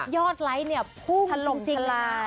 ยอดไลก์เนี่ยภูมิจริง